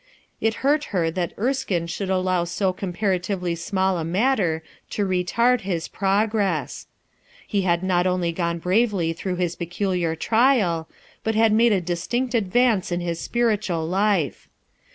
It hurt her that Erskine should allow so compara tively small a matter to retard his progress He had not only gone bravely through his pecuU iar trial, but had made a distinct advance in his spiritual life.